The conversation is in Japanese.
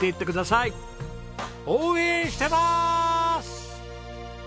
応援してまーす！